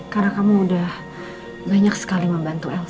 karena kamu udah banyak sekali membantu elsa